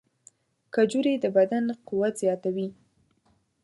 کجورې د بدن قوت زیاتوي.